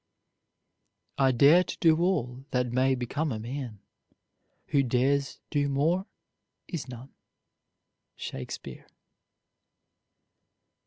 I dare to do all that may become a man: Who dares do more is none. SHAKESPEARE.